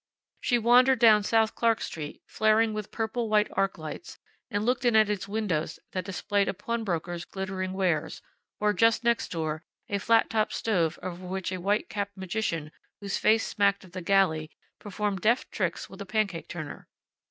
She wandered down South Clark street, flaring with purple white arc lights, and looked in at its windows that displayed a pawnbroker's glittering wares, or, just next door, a flat topped stove over which a white capped magician whose face smacked of the galley, performed deft tricks with a pancake turner.